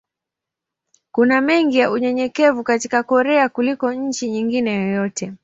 Kuna mengi ya unyenyekevu katika Korea kuliko nchi nyingine yoyote.